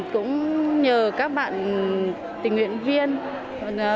cũng nhờ các bạn tình nguyện hiến máu